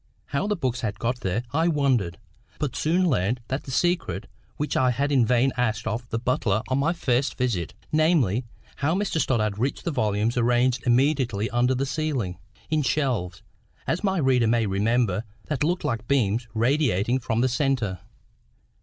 How the books had got there I wondered; but soon learned the secret which I had in vain asked of the butler on my first visit—namely, how Mr Stoddart reached the volumes arranged immediately under the ceiling, in shelves, as my reader may remember, that looked like beams radiating from the centre.